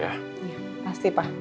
iya pasti pak